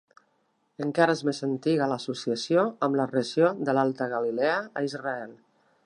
Encara és més antiga l'associació amb la regió de l'Alta Galilea a Israel.